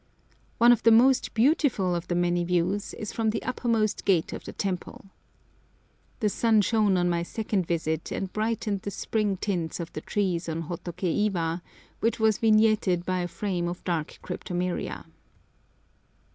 One of the most beautiful of the many views is from the uppermost gate of the temple. The sun shone on my second visit and brightened the spring tints of the trees on Hotoké Iwa, which was vignetted by a frame of dark cryptomeria.